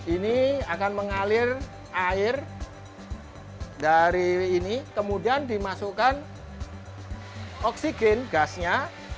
ini akan mengalir air dari ini kemudian dimasukkan oksigen gasnya